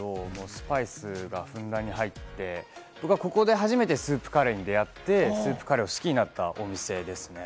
スパイスがふんだんに入ってて、僕はここで初めてスープカレーに出合ってスープカレーを好きになったお店ですね。